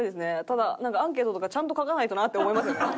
ただなんかアンケートとかちゃんと書かないとなって思いますよね。